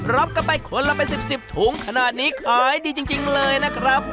รับกันไปคนละเป็น๑๐ถุงขนาดนี้ขายดีจริงเลยนะครับ